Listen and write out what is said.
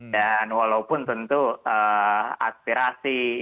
dan walaupun tentu aspirasi